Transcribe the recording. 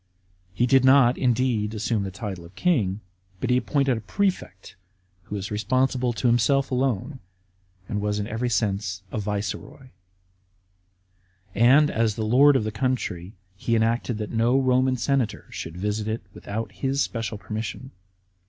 He did not, indeed, assume the title of king, but he appointed a prefect, who was responsible to himself alone, and was in every sense a viceroy ; and, as the lord of the country, he enacted that no Roman senator should visit it without his special permission.